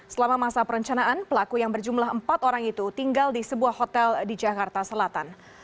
selama masa perencanaan pelaku yang berjumlah empat orang itu tinggal di sebuah hotel di jakarta selatan